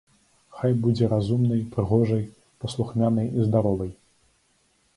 Хай будзе разумнай, прыгожай, паслухмянай і здаровай.